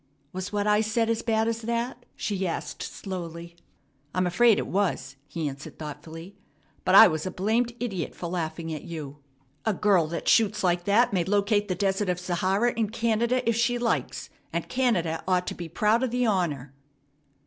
"Was what I said as bad as that?" she asked slowly. "I'm afraid it was," he answered thoughtfully; "but I was a blamed idiot for laughing at you. A girl that shoots like that may locate the Desert of Sahara in Canada if she likes, and Canada ought to be proud of the honor."